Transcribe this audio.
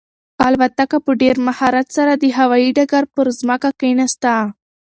الوتکه په ډېر مهارت سره د هوايي ډګر پر ځمکه کښېناسته.